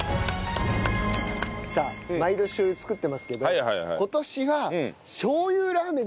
さあ毎年しょう油作ってますけど今年はしょう油ラーメンにしようと。